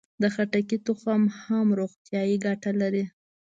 د خټکي تخم هم روغتیایي ګټه لري.